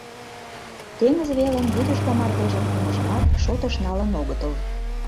Теҥыз велым вӱдыжгӧ мардежын пуымыжымат шотыш налын огытыл.